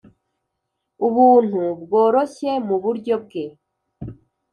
ubuntu bworoshye muburyo bwe.